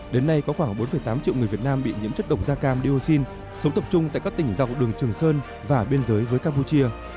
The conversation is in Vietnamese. đến nay có khoảng bốn tám triệu người việt nam bị nhiễm chất độc da cam dioxin sống tập trung tại các tỉnh dọc đường trường sơn và biên giới với campuchia